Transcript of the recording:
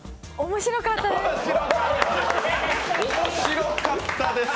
面白かったです